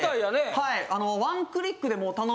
はい。